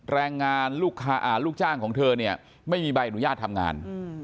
แรงงานลูกจ้างของเธอเนี่ยไม่มีใบอนุญาตทำงาน